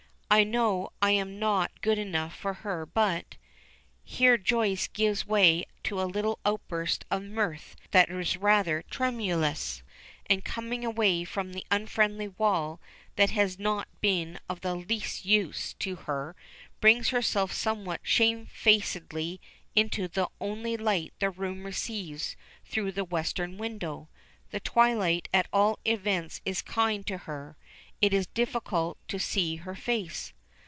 I know I am not good enough for her, but " Here Joyce gives way to a little outburst of mirth that is rather tremulous, and coming away from the unfriendly wall, that has not been of the least use to her, brings herself somewhat shamefacedly into the only light the room receives through the western window. The twilight at all events is kind to her. It is difficult to see her face.